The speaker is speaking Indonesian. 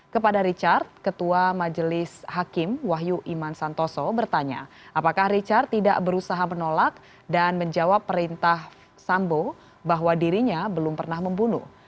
kepada richard ketua majelis hakim wahyu iman santoso bertanya apakah richard tidak berusaha menolak dan menjawab perintah sambo bahwa dirinya belum pernah membunuh